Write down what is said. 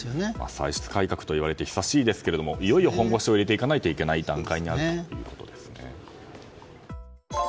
歳出改革といわれて久しいですがいよいよ本腰を入れていかないといけない段階だと。